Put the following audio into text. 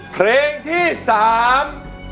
เพลงที่สาม